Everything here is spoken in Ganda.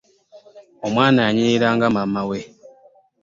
Omwana anyirira nga maama we.